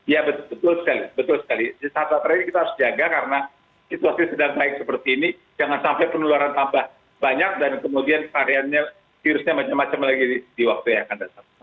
ya betul sekali betul sekali di saat saat terakhir ini kita harus jaga karena situasi sedang baik seperti ini jangan sampai penularan tambah banyak dan kemudian variannya virusnya macam macam lagi di waktu yang akan datang